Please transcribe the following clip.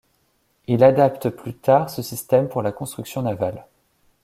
Il adapte plus tard ce système pour la construction navale.